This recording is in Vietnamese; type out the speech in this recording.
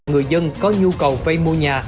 người dân có nhu cầu vây mua nhà